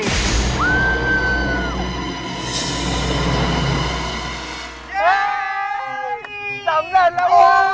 เฮ้ยสำเร็จแล้วว่ะ